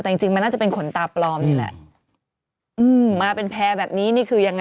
แต่จริงมันน่าจะเป็นขนตาปลอมนี่น่ะ